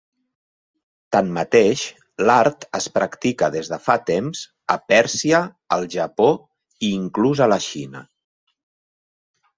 Tanmateix, l'art es practica des de fa temps a Pèrsia, al Japó i inclús a la Xina.